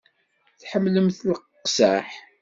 Tḥemmlemt iqzaḥ?